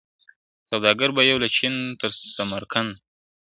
سوداګر به یو له چین تر سمرقنده !.